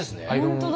本当だ。